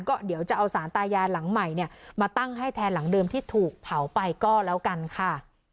ก็เดี๋ยวจะเอาสารตายายหลังใหม่เนี่ยมาตั้งให้แทนหลังเดิมที่ถูกเผาไปก็แล้วกันค่ะ